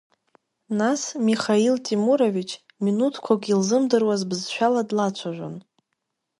Нас Михаил Темурович минуҭқәак илзымдыруаз бызшәала длацәажәон.